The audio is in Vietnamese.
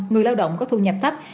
người lao động có thu nhập thấp